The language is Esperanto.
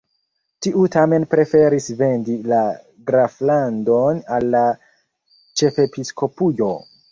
Tiu tamen preferis vendi la graflandon al la ĉefepiskopujo.